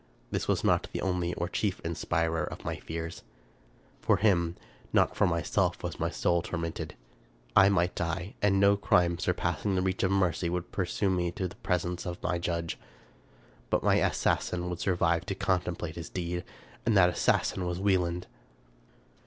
This was not the only or chief inspirer of my fears. For him, not for myself, was my soul tormented. I might die, and no crime, surpassing the reach of mercy, would pursue me to the presence of my Judge ; but my assassin would survive to contemplate his deed, and that assassin was Wieland!